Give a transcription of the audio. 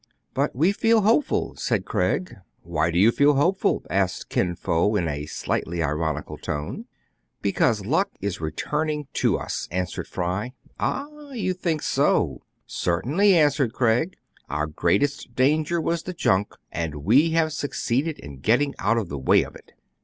" But we feel hopeful, said Craig. '' Why do you feel hopeful t asked Kin Fo in a slightly ironical tone. DANGERS OF CAPT, BOYTON'S APPARATUS, 231 "Because luck is returning to us," answered Fry. " Ah ! you think so ?" "Certainly," answered Craig. "Our greatest danger was the junk, and we have succeeded in getting out of the way of it."